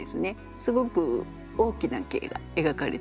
すごく大きな景が描かれてると思います。